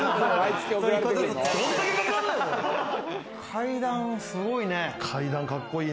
階段すごいね！